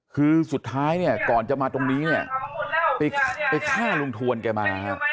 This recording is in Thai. คือสุดท้ายเนี่ยก่อนจะมาตรงนี้เนี่ยไปฆ่าลุงทวนแกมานะครับ